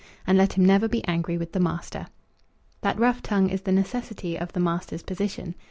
And let him never be angry with the master. That rough tongue is the necessity of the master's position.